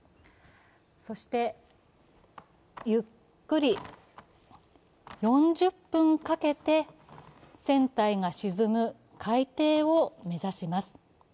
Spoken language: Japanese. そしてゆっくり、４０分かけて船体が沈む海底を目指します。